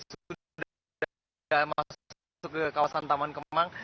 sudah masuk ke kawasan taman kemang